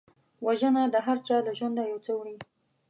وژنه د هرچا له ژونده یو څه وړي